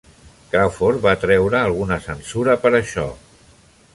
Crawford va atreure alguna censura per això.